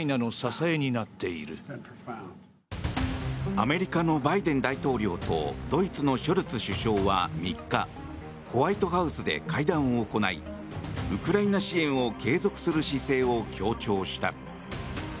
アメリカのバイデン大統領とドイツのショルツ首相は３日ホワイトハウスで会談を行いウクライナ支援を継続する姿勢を強調した。